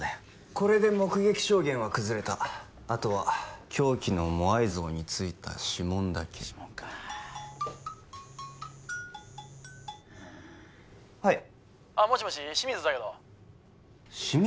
これで目撃証言は崩れたあとは凶器のモアイ像についた指紋だけはい☎もしもし清水だけど清水？